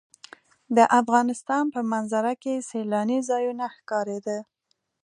د افغانستان په منظره کې سیلانی ځایونه ښکاره ده.